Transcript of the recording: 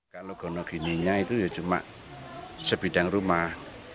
kalau gonogininya itu ya cuma sebidang rumah